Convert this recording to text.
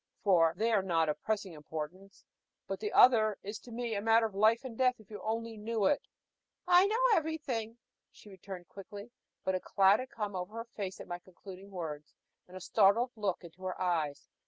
For they are not of pressing importance, but the other is to me a matter of life and death, if you only knew it." "I know everything," she returned quickly. But a cloud had come over her face at my concluding words, and a startled look into her eyes.